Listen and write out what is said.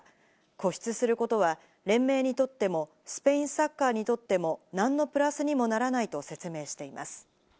固執することは連盟にとってもスペインサッカーにとっても何のプラスにもならないと説明しています。